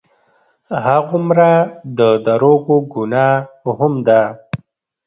هغومره د دروغو ګناه هم ده.